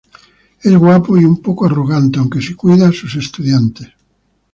Es guapo y un poco arrogante, aunque sí cuida a sus estudiantes.